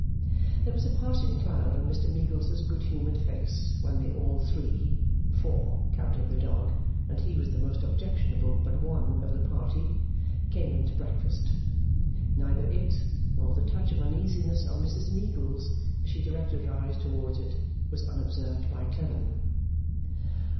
There was a passing cloud on Mr Meagles's good humoured face when they all three (four, counting the dog, and he was the most objectionable but one of the party) came in to breakfast. Neither it, nor the touch of uneasiness on Mrs Meagles as she directed her eyes towards it, was unobserved by Clennam.